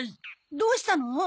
どうしたの？